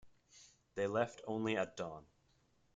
They left only at dawn.